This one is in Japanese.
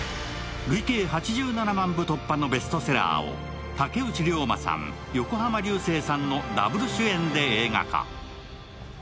累計８７万部突破のベストセラーを竹内涼真さん、横浜流星さんのダブル主演で映画化。